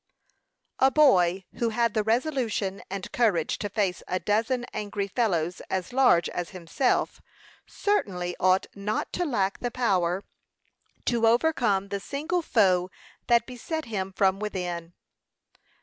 A boy who had the resolution and courage to face a dozen angry fellows as large as himself, certainly ought not to lack the power to overcome the single foe that beset him from within.